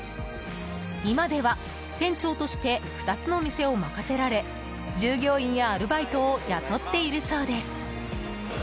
今では店長として２つの店を任せられ従業員やアルバイトを雇っているそうです。